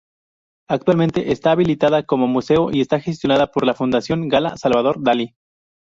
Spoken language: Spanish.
Actualmente está habilitada como museo y está gestionada por la Fundación Gala-Salvador Dalí.